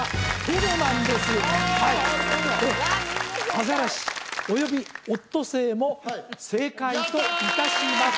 アザラシおよびオットセイも正解といたします